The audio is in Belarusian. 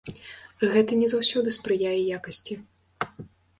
Гэта не заўсёды спрыяе якасці.